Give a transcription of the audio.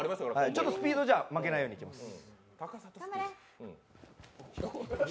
ちょっとスピード負けないようにいきます。